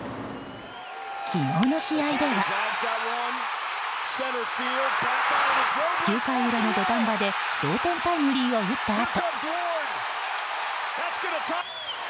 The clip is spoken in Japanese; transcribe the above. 昨日の試合では９回裏の土壇場で同点タイムリーを打ったあと。